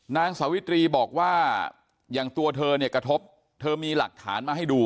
นางสาวิตรีบอกว่าอย่างตัวเธอเนี่ยกระทบเธอมีหลักฐานมาให้ดู